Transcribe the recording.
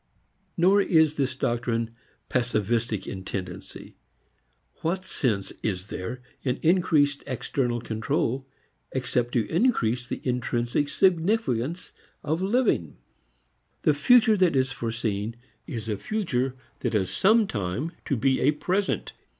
Nor is this doctrine passivistic in tendency. What sense is there in increased external control except to increase the intrinsic significance of living? The future that is foreseen is a future that is sometime to be a present.